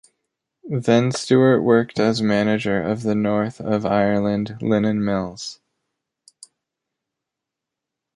Then Stuart worked as manager of the North of Ireland Linen Mills.